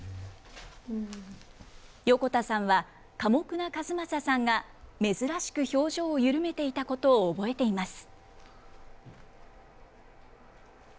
横田さんは、寡黙な和正さんが珍しく表情を緩めていたことを覚えています。